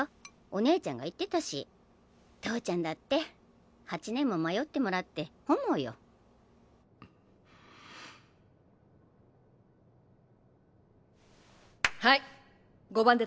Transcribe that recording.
お姉ちゃんが言ってたし父ちゃんだって８年も迷ってもらって本望よパン！